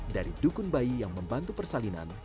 dari dukun bayi yang membantu persalinan